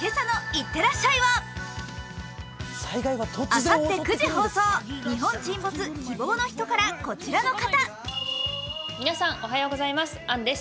あさって９時放送「日本沈没−希望のひと−」からこちらの方。